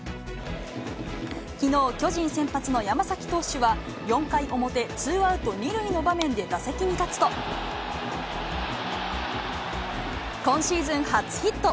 きのう、巨人先発の山崎投手は、４回表、ツーアウト２塁の場面で打席に立つと、今シーズン初ヒット。